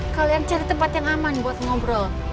kalian cari tempat yang aman buat ngobrol